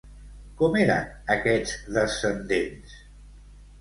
Com eren aquests descendents?